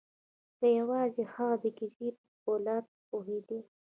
که یوازې هغه د کیسې په پلاټ پوهیدای